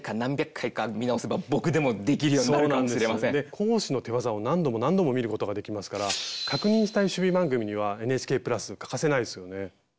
講師の手わざを何度も何度も見ることができますから確認したい趣味番組にはＮＨＫ＋欠かせないですよね。